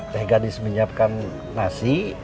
teh gadis menyiapkan nasi